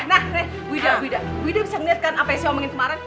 nah nah bu ida bu ida bisa ngeliatkan apa yang saya omongin kemarin